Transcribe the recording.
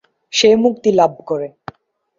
সে মুক্তিলাভ করে।